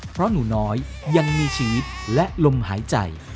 เพราะหนูน้อยยังมีชีวิตและลมหายใจ